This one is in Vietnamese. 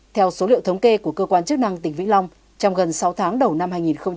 theo số liệu thống kê của cơ quan chức năng tỉnh vĩnh long trong gần sáu tháng đầu năm hai nghìn hai mươi